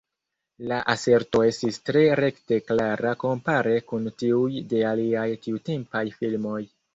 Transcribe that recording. La aserto estis tre rekte klara kompare kun tiuj de aliaj tiutempaj filmoj.